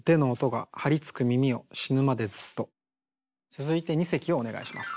続いて二席をお願いします。